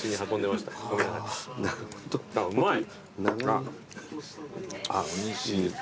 うまい。